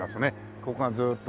ここがずっとね。